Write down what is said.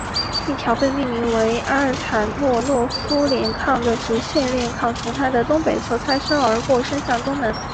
一条被命名为阿尔塔莫诺夫链坑的直线链坑从它的东北侧擦身而过伸向东南。